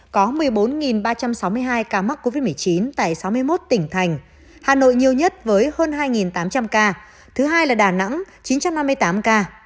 có một mươi bốn ba trăm sáu mươi hai ca mắc covid một mươi chín tại sáu mươi một tỉnh thành hà nội nhiều nhất với hơn hai tám trăm linh ca thứ hai là đà nẵng chín trăm năm mươi tám ca